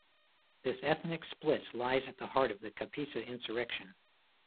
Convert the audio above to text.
This ethnic split lies at the heart of the Kapisa insurrection.